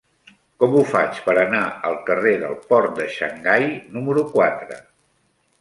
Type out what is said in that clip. Com ho faig per anar al carrer del Port de Xangai número quatre?